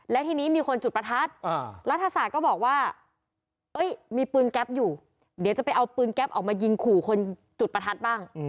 และทีนี้มีคนจุดประทัดรัฐศาสตร์ก็บอกว่ามีปืนแก๊ปอยู่เดี๋ยวจะไปเอาปืนแก๊ปออกมายิงขู่คนจุดประทัดบ้าง